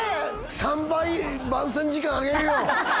３倍番宣時間あげるよ